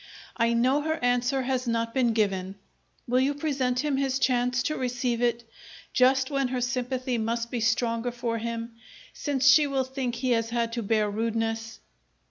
"I know her answer has not been given. Will you present him his chance to receive it just when her sympathy must be stronger for him, since she will think he has had to bear rudeness?"